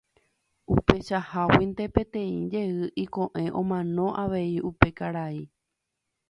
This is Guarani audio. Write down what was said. Upeichaháguinte peteĩ jey iko'ẽ omano avei upe karai.